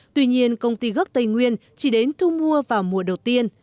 tuy nhiên công ty gốc tây nguyên chỉ đến thu mua vào mùa đầu tiên